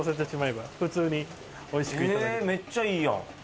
めっちゃいいやん